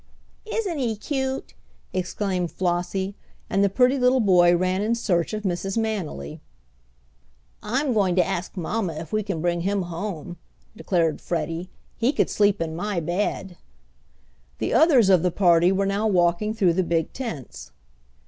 "Isn't he cute!" exclaimed Flossie, and the pretty little boy ran in search of Mrs. Manily. "I'm going to ask mamma if we can bring him home," declared Freddie. "He could sleep in my bed." The others of the party were now walking through the big tents.